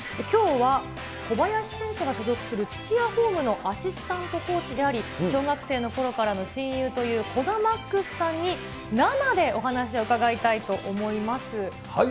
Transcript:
きょうは、小林選手が所属する土屋ホームのアシスタントコーチであり、小学生のころからの親友という古賀極さんに生でお話を伺いたいと思います。